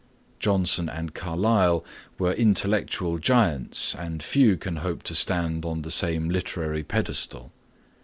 Johnson and Carlyle were intellectual giants and few can hope to stand on the same literary pedestal.